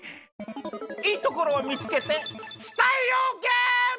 いいところを見つけて伝えようゲーム！